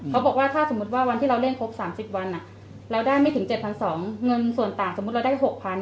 เขาบอกว่าถ้าสมมุติว่าวันที่เราเล่นครบ๓๐วันเราได้ไม่ถึง๗๒๐๐เงินส่วนต่างสมมุติเราได้๖๐๐